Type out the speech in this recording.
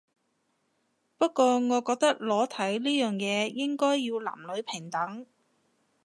不過我覺得裸體呢樣嘢應該要男女平等